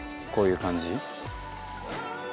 こういう感じ。